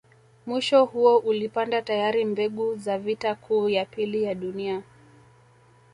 Mwisho huo ulipanda tayari mbegu za vita kuu ya pili ya dunia